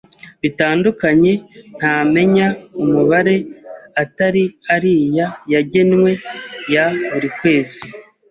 bitandukanye ntamenya umubare atari ariya yagenwe ya buri kwezi.